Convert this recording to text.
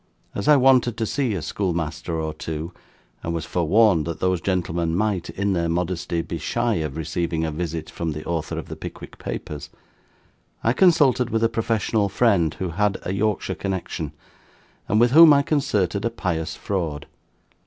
As I wanted to see a schoolmaster or two, and was forewarned that those gentlemen might, in their modesty, be shy of receiving a visit from the author of the "Pickwick Papers," I consulted with a professional friend who had a Yorkshire connexion, and with whom I concerted a pious fraud.